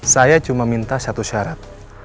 saya cuma minta satu syarat